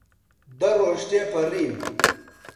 دە ڕۆژ تێپەڕین.